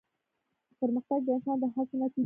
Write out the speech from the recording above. پرمختګ د انسان د هڅو نتیجه ده.